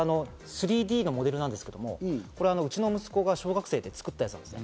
３Ｄのモデルなんですけど、うちの息子が小学生で作ったやつです。